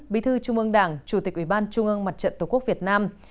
bí thư trung ương đảng chủ tịch ủy ban trung ương mặt trận tổ quốc việt nam